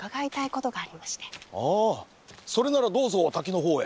ああそれならどうぞ滝のほうへ。